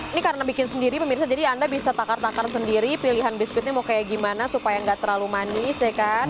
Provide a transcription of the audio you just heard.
ini karena bikin sendiri pemirsa jadi anda bisa takar takar sendiri pilihan biskuitnya mau kayak gimana supaya nggak terlalu manis ya kan